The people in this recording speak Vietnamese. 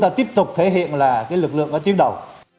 và tiếp tục thể hiện lực lượng ở tuyến đầu